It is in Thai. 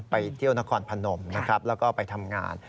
ไปเที่ยวนครพนมนะครับแล้วก็ไปทำงาน